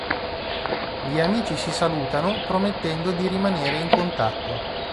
Gli amici si salutano promettendo di rimanere in contatto.